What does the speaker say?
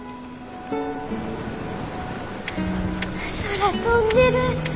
空飛んでる。